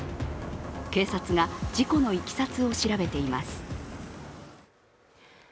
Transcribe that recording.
警察が事故のいきさつを調べています。